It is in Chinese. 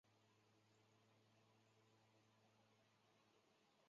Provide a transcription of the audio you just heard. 当今锡耶纳大学以其法学院和医学院闻名。